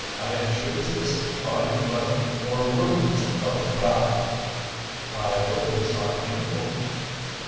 I have choosed this fine weather for rheumatism of the back." "I hope it is not painful."